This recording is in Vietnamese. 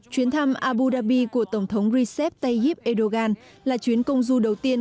chuyến thăm abu dhabi của tổng thống recep tayyip erdogan là chuyến công du đầu tiên